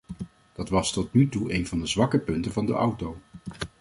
Dat was tot nu toe een van de zwakke punten van de auto.